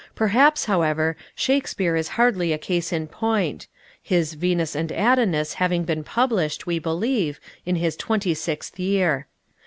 Perhaps, however, Shakespeare is hardly a case in point, his "Venus and Adonis" having been published, we believe, in his twenty sixth year.